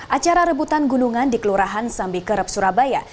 acara rebutan gunungan di kelurahan sambi kerep surabaya